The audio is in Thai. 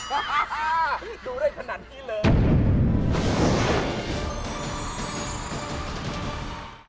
ดูได้ขนาดนี้เลย